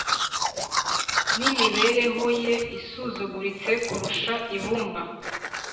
n’imibereho ye isuzuguritse kurusha ibumba,